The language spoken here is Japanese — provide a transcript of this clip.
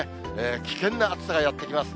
危険な暑さがやって来ます。